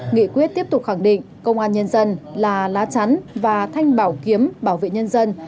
nghị quyết tiếp tục khẳng định công an nhân dân là lá chắn và thanh bảo kiếm bảo vệ nhân dân